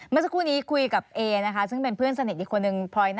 เมื่อสักครู่นี้คุยกับเอนะคะซึ่งเป็นเพื่อนสนิทอีกคนนึงพลอย